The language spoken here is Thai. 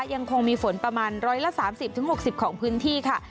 ยังคงมีฝนประมาณ๑๓๐๖๐ของพื้นที่ค่ะ